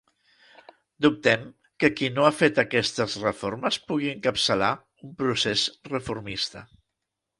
“Dubtem que qui no ha fet aquestes reformes pugui encapçalar” un procés reformista.